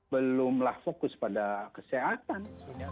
belumlah fokus pada kesehatan